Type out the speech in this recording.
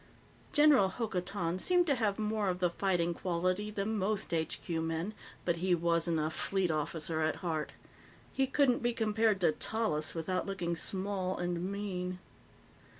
General Hokotan seemed to have more of the fighting quality than most HQ men, but he wasn't a Fleet Officer at heart. He couldn't be compared to Tallis without looking small and mean.